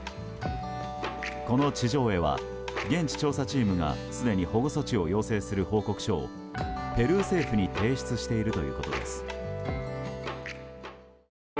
この地上絵は現地調査チームがすでに保護措置を要請する報告書をペルー政府に提出しているということです。